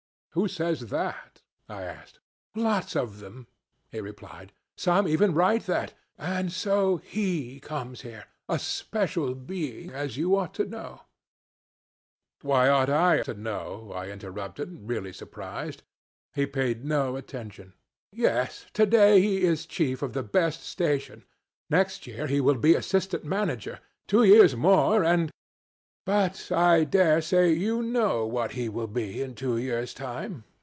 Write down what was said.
'Who says that?' I asked. 'Lots of them,' he replied. 'Some even write that; and so he comes here, a special being, as you ought to know.' 'Why ought I to know?' I interrupted, really surprised. He paid no attention. 'Yes. To day he is chief of the best station, next year he will be assistant manager, two years more and ... but I dare say you know what he will be in two years' time.